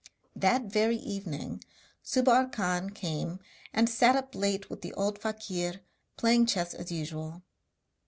That very evening Subbar Khan came and sat up late with the old fakir playing chess as usual.